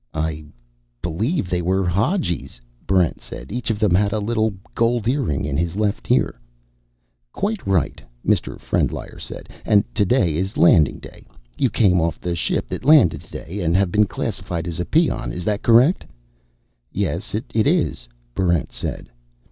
"I believe they were Hadjis," Barrent said. "Each of them had a little gold earring in his left ear." "Quite right," Mr. Frendlyer said. "And today is Landing Day. You came off the ship that landed today, and have been classified a peon. Is that correct?" "Yes, it is," Barrent said.